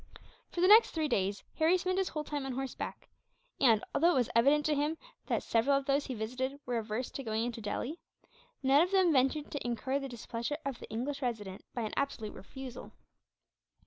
For the next three days, Harry spent his whole time on horseback and, although it was evident to him that several of those he visited were averse to going into Delhi, none of them ventured to incur the displeasure of the English Resident by an absolute refusal.